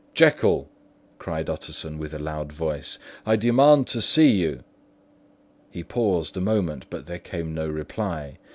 "Jekyll," cried Utterson, with a loud voice, "I demand to see you." He paused a moment, but there came no reply.